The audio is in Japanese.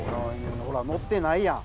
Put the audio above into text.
ほら乗ってないやん。